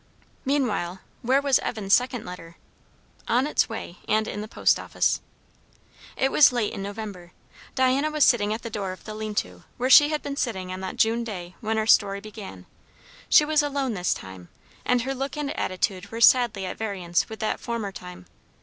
Meanwhile, where was Evan's second letter? On its way, and in the post office. It was late in November; Diana was sitting at the door of the lean to, where she had been sitting on that June day when our story began. She was alone this time, and her look and attitude were sadly at variance with that former time.